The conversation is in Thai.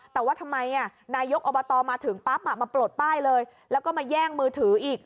แต่ว่าทำไมนายกอบตมาถึงปั๊บมาปลดป้ายเลยแล้วก็มาแย่งมือถืออีก